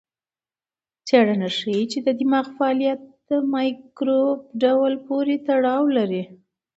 څېړنه ښيي چې د دماغ فعالیت د مایکروب ډول پورې تړاو لري.